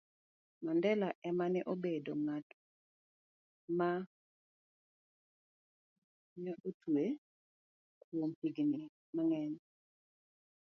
Mandela ema ne obedo ng'at ma ne otwe kuom higini mang'eny